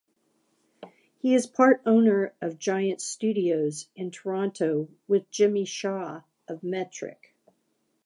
He is part owner of Giant Studios in Toronto with Jimmy Shaw of Metric.